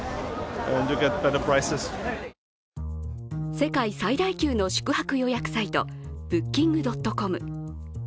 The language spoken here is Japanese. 世界最大級の宿泊予約サイトＢｏｏｋｉｎｇ．ｃｏｍ。